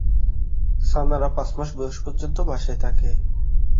ছানারা পাঁচ মাস বয়স পর্যন্ত বাসায় থাকে।